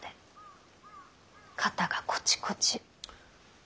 肩がコチコチ。